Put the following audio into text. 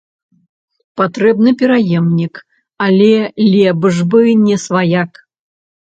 Патрэбны пераемнік, але лепш бы не сваяк.